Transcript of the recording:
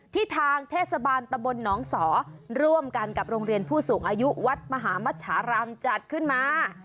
ทางเทศบาลตะบลหนองสอร่วมกันกับโรงเรียนผู้สูงอายุวัดมหามฉารามจัดขึ้นมา